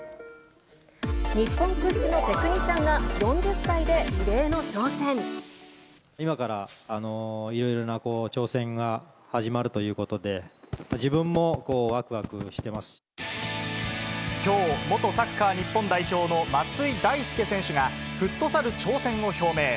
日本屈指のテクニシャンが今から、いろいろな挑戦が始まるということで、きょう、元サッカー日本代表の松井大輔選手が、フットサル挑戦を表明。